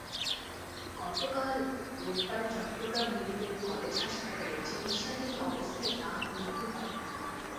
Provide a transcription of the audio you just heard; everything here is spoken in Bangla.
গতকাল রোববার চট্টগ্রাম মেডিকেল কলেজ হাসপাতালে চিকিৎসাধীন অবস্থায় তাঁর মৃত্যু হয়।